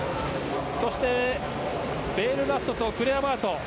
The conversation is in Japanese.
そして、ベールラストとクレアバート